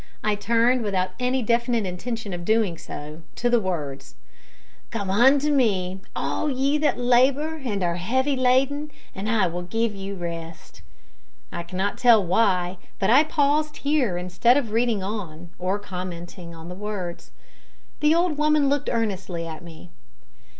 I turned, without any definite intention of doing so, to the words, "Come unto me, all ye that labour and are heavy laden, and I will give you rest." I cannot tell why, but I paused here instead of reading on, or commenting on the words. The old woman looked earnestly at me.